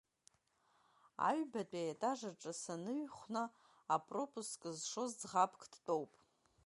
Аҩбатәи аетажаҿ саныҩхәна, апропуск зшоз ӡӷабк дтәоп.